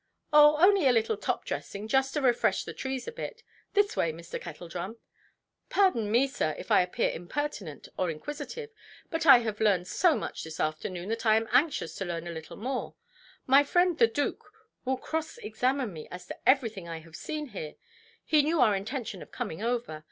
"Oh, only a little top–dressing, just to refresh the trees a bit. This way, Mr. Kettledrum". "Pardon me, sir, if I appear impertinent or inquisitive. But I have learned so much this afternoon, that I am anxious to learn a little more. My friend, the Dook, will cross–examine me as to everything I have seen here. He knew our intention of coming over.